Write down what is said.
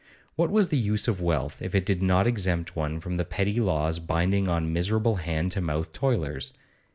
What was the use of wealth if it did not exempt one from the petty laws binding on miserable hand to mouth toilers!